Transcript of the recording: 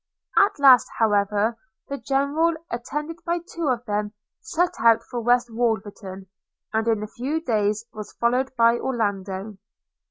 At last however the General, attended by two of them, set out for West Wolverton, and in a few days was followed by Orlando.